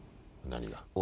何が？